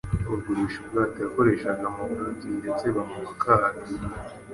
bagurisha ubwato yakoreshaga mu burobyi ndetse bamuha akato.